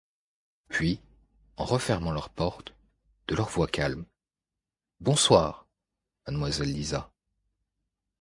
Puis, en refermant leur porte, de leur voix calme :— Bonsoir, mademoiselle Lisa.